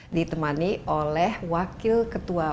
ditemani oleh wakil ketua